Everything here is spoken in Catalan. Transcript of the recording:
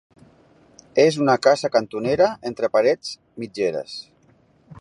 És una casa cantonera entre parets mitgeres.